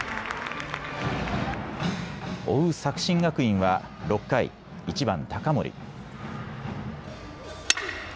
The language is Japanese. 追う作新学院は６回、１番・高森。